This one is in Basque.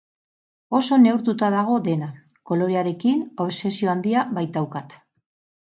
Oso neurtuta dago dena, kolorearekin obsesio handia baitaukat.